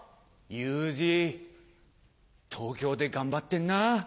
雄二東京で頑張ってんな。